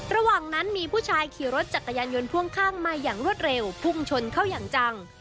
ระหว่างนั้นมีผู้ชายขี่รถจักรยานยนต์พ่วงข้างมาอย่างรวดเร็วพุ่งชนเข้าอย่างจัง